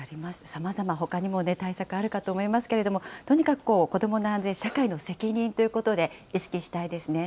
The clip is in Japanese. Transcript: さまざま、ほかにも対策あるかと思いますけれども、とにかく子どもの安全、社会の責任ということで、意識したいですね。